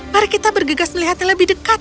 mari kita bergegas melihatnya lebih dekat